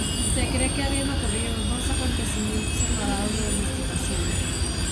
Se cree que habrían ocurrido dos acontecimientos separados de domesticación.